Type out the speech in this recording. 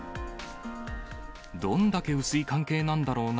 どんだけ薄い関係なんだろうな？